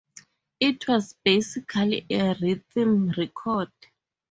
It was basically a rhythm record.